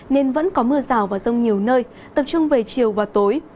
nên vẫn có mưa rào và rông nhiều nơi tập trung về chiều và tối